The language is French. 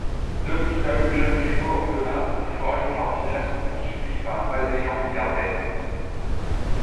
Deux mystérieux jeunes jumeaux orphelins aux pouvoirs extraordinaires sont poursuivis par un malveillant milliardaire.